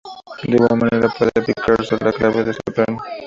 De igual manera, puede aplicarse a la clave soprano.